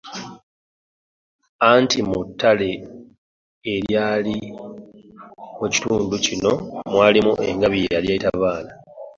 Anti mu ttale eryali mu kitundu kino mwalimu engabi eyali etabaala.